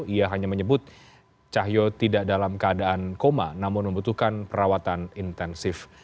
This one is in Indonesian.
ia hanya menyebut cahyo tidak dalam keadaan koma namun membutuhkan perawatan intensif